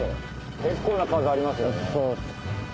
結構な数ありますよ。